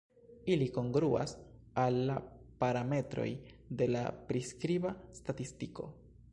Ili kongruas al la "parametroj" de la priskriba statistiko.